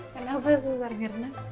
kenapa susah mirna